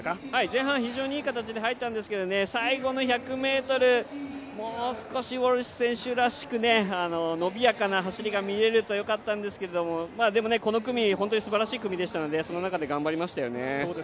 前半、非常にいい形で入ったんですけどね最後の１００ｍ、もう少しウォルシュ選手らしく伸びやかな走りが見れるとよかったんですけど、この組本当にすばらしい組でしたので、その中で頑張りましたね。